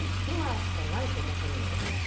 今しかないと思っているんですよ。